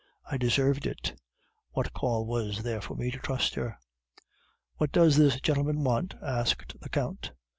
I deserved it; what call was there for me to trust her? "'"What does this gentleman want?" asked the Count.